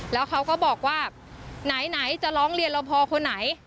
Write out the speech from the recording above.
แล้วเขาก็บอกว่าไหนจะร้องเรียนเราพอคนไหน